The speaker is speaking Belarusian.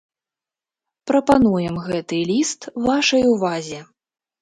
Прапануем гэты ліст вашай увазе.